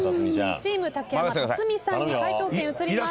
チーム竹山辰巳さんに解答権移ります。